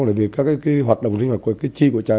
và các hoạt động sinh hoạt của chi của trại